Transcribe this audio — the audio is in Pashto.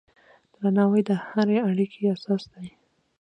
درناوی د هرې اړیکې اساس دی.